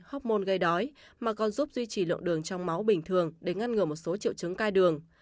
hóc môn gây đói mà còn giúp duy trì lượng đường trong máu bình thường để ngăn ngừa một số triệu chứng cai đường